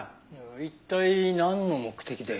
一体なんの目的で。